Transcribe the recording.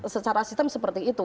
secara sistem seperti itu